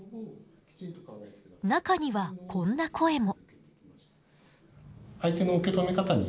中にはこんな声も。